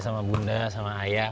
sama bunda sama ayah